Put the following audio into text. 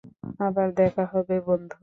আবার দেখা হবে বন্ধু।